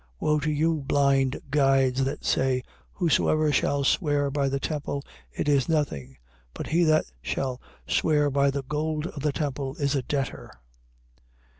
23:16. Woe to you, blind guides, that say, Whosoever shall swear by the temple, it is nothing; but he that shall swear by the gold of the temple is a debtor.